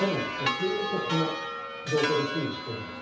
ずっとこの状況で推移しているんです。